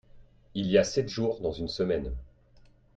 Il y a sept jours dans une semaine.